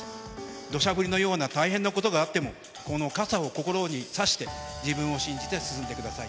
どしゃ降りのような大変なことがあっても、この傘を心に差して、自分を信じて進んでください。